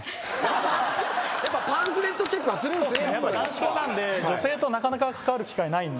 パンフレットチェックはするんすね。